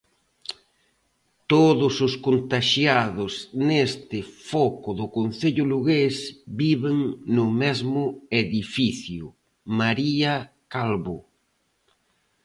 Todos os contaxiados neste foco do concello lugués viven no mesmo edificio, María Calvo.